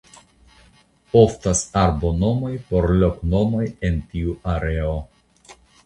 Oftas arbonomoj por loknomoj en tiu areo.